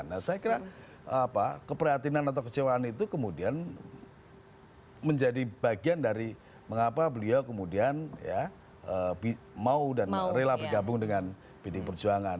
nah saya kira keprihatinan atau kecewaan itu kemudian menjadi bagian dari mengapa beliau kemudian mau dan rela bergabung dengan pdi perjuangan